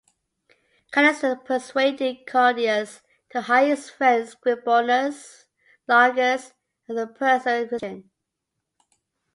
Callistus persuaded Claudius to hire his friend Scribonius Largus as a personal physician.